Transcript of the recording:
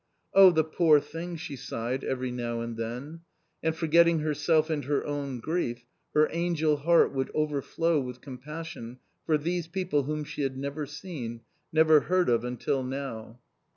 "Oh, the poor thing!" she sighed every now and then. And forgetting herself and her own grief, her angel heart would overflow with compassion for these people whom she had never seen, never heard of until now.